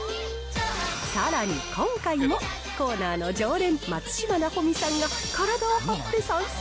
さらに今回も、コーナーの常連、松嶋尚美さんが、体を張って参戦。